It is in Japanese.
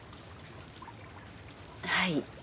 はい。